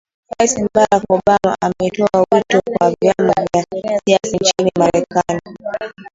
rais barack obama ametoa wito kwa vyama vya siasa nchini marekani